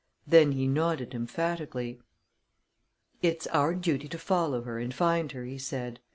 Then he nodded emphatically. "It's our duty to follow her and find her," he said.